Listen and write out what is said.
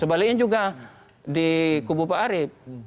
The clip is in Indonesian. sebaliknya juga di kubu pak arief